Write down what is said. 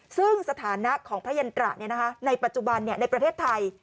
ซึ่งสถานะของพระยันตระในปัจจุบันในประเทศไทย